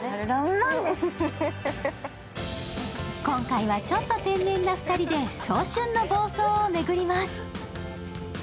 今回はちょっと天然な２人で早春の房総を巡ります。